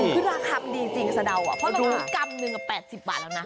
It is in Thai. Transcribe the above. คือราคามันดีจริงสะเดาเพราะเรารู้กรัมหนึ่ง๘๐บาทแล้วนะ